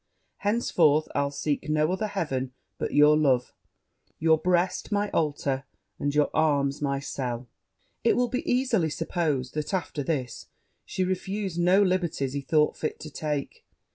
Henceforth I'll seek no other heaven but your love your breast my altar and your arms my cell!' It will be easily supposed that, after this, she refused no liberties he thought fit to take.